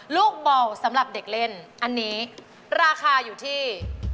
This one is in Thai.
ลูกเบาสำหรับเด็กเล่นอันนี้ราคาอยู่ที่